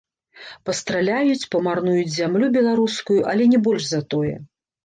Пастраляюць, памарнуюць зямлю беларускую, але не больш за тое.